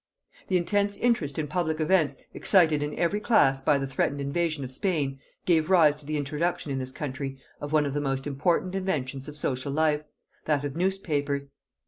The intense interest in public events excited in every class by the threatened invasion of Spain, gave rise to the introduction in this country of one of the most important inventions of social life, that of newspapers.